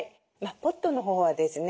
ポットのほうはですね